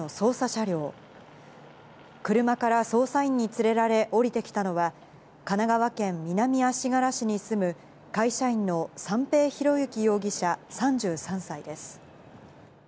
車から捜査員に連れられ、降りてきたのは、神奈川県南足柄市に住む、会社員の三瓶博幸容疑者３３歳です。